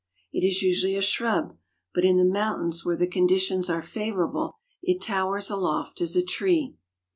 It is usually a shrub, but in the mountains where the conditions are favorable it towers aloft as a tree.